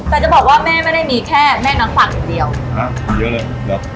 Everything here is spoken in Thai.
แต่จะบอกว่าแม่ไม่ได้มีแค่แม่นักฝักอยู่เดียวอ่ามีเยอะเลยแบบ